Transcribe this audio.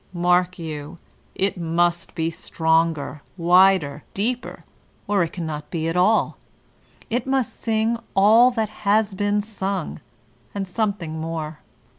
Mark yon, it must be stronger, wider, deeper, or it cannot be at all It must sing all that has been sung, and some thing more.